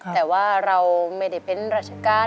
แต่ว่าเราไม่ได้เป็นราชการ